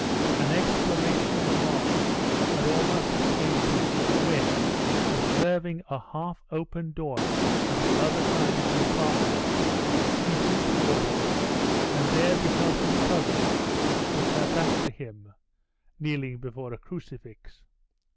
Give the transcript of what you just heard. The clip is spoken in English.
An exclamation of alarm had almost escaped him, when observing a half open door at the other side of the apartment, he drew toward it, and there beheld his cousin, with her back to him, kneeling before a crucifix.